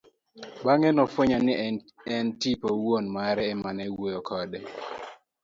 Bang'e nofwenyo ni en tipo wuon mare emane wuoyo kode.